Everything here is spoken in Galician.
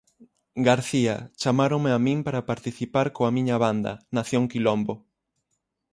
García: Chamáronme a min para participar coa miña banda, Nación Quilombo.